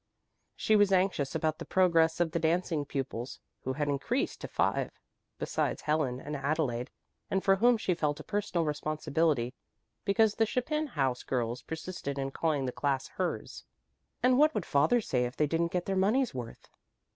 She was anxious about the progress of the dancing pupils, who had increased to five, besides Helen and Adelaide, and for whom she felt a personal responsibility, because the Chapin house girls persisted in calling the class hers. And what would father say if they didn't get their money's worth?